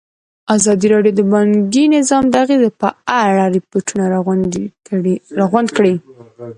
ازادي راډیو د بانکي نظام د اغېزو په اړه ریپوټونه راغونډ کړي.